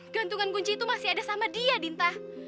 gantungan kunci itu masih ada sama dia dinta